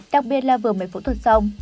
đặc biệt là vừa bệnh phẫu thuật xong